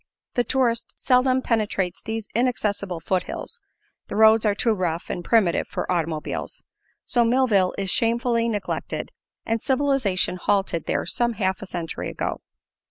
The tourist seldom penetrates these inaccessible foothills; the roads are too rough and primitive for automobiles; so Millville is shamefully neglected, and civilization halted there some half a century ago.